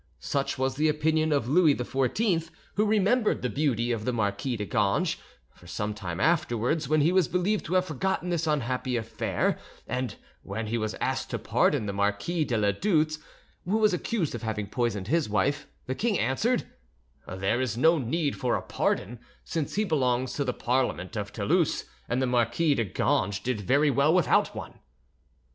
Such was the opinion of Louis XIV., who remembered the beauty of the Marquis de Ganges; for, some time afterwards, when he was believed to have forgotten this unhappy affair, and when he was asked to pardon the Marquis de la Douze, who was accused of having poisoned his wife, the king answered, "There is no need for a pardon, since he belongs to the Parliament of Toulouse, and the Marquis de Ganges did very well without one."